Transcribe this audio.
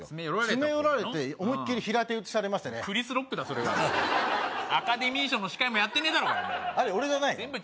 詰め寄られて思いっきり平手打ちされましてクリス・ロックだそれはアカデミー賞の司会もやってねえだろあれ俺じゃないの？